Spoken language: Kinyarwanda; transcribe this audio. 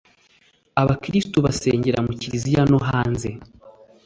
abakirisitu basengera mu kiriziya no hanze